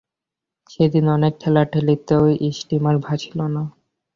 সেদিন অনেক ঠেলাঠেলিতেও স্টীমার ভাসিল না।